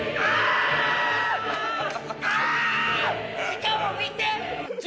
しかも見て！